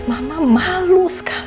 maka dia dia jadi kotor tresorgan